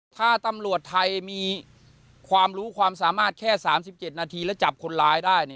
ถ้าตำรวจไทยมีความรู้ความสามารถแค่๓๗นาทีแล้วจับคนร้ายได้